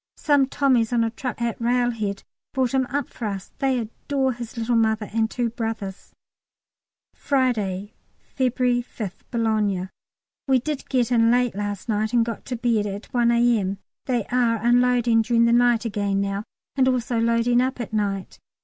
Some Tommies on a truck at Railhead brought him up for us; they adore his little mother and two brothers. Friday, February 5th, Boulogne. We did get in late last night, and got to bed at 1 A.M. They are unloading during the night again now, and also loading up at night.